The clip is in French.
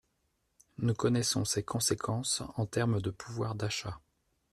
Nous connaissons ses conséquences en termes de pouvoir d’achat.